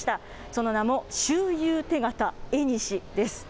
その名も、周遊手形縁です。